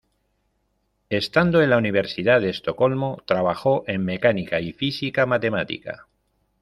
Estando en la Universidad de Estocolmo trabajó en mecánica y física matemática.